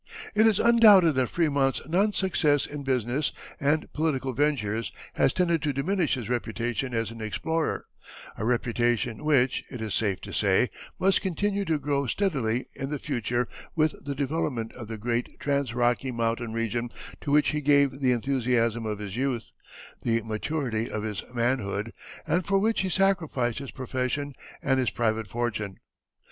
It is undoubted that Frémont's non success in business and political ventures has tended to diminish his reputation as an explorer, a reputation which, it is safe to say, must continue to grow steadily in the future with the development of the great trans Rocky Mountain region to which he gave the enthusiasm of his youth, the maturity of his manhood, and for which he sacrificed his profession and his private fortune.